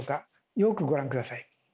よくご覧下さい。